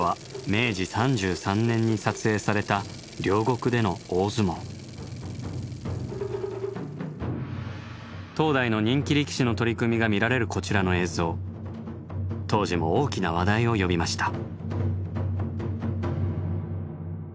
続いてはこちらは当代の人気力士の取組が見られるこちらの映像当時も大きな話題を呼びました。